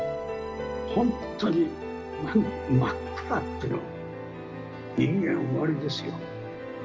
本当に真っ暗っていう、人間終わりですよ。